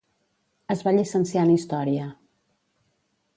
Es va llicenciar en Història.